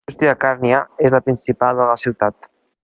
La indústria càrnia és la principal de la ciutat.